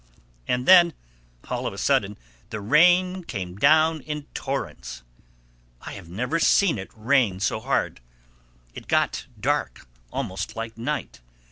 And then, all of a sudden, the rain came down in torrents. I have never seen it rain so hard. It got dark, almost like night.